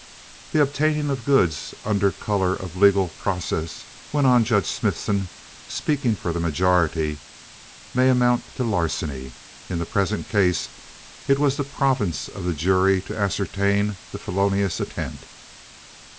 ] The obtaining of goods under color of legal process [went on Judge Smithson, speaking for the majority] may amount to larceny. In the present case it was the province of the jury to ascertain the felonious intent.